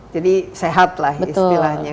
jadi sehat lah istilahnya